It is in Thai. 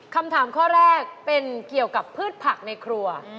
คำถามข้อแรกเป็นเกี่ยวกับพืชผักในครัว